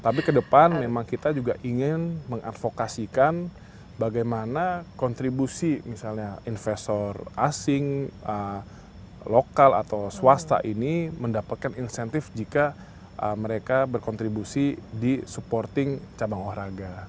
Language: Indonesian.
tapi ke depan memang kita juga ingin mengadvokasikan bagaimana kontribusi misalnya investor asing lokal atau swasta ini mendapatkan insentif jika mereka berkontribusi di supporting cabang olahraga